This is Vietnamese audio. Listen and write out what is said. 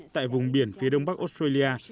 tại vùng biển phía đông bắc australia